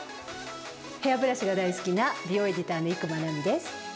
ヘアブラシが大好きな美容エディターの伊熊奈美です。